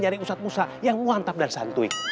nyari ustad musa yang muantab dan santui